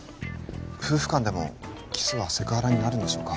夫婦間でもキスはセクハラになるんでしょうか？